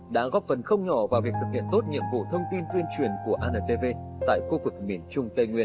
đã góp phần không nhỏ vào việc thực hiện tốt nhiệm vụ thông tin tuyên truyền của antv tại khu vực miền trung tây nguyên